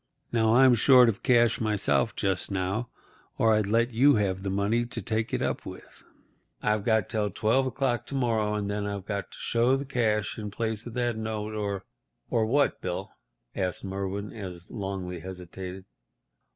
Now, I'm short of cash myself just now, or I'd let you have the money to take it up with. I've got till twelve o'clock to morrow, and then I've got to show the cash in place of that note or—" "Or what, Bill?" asked Merwin, as Longley hesitated.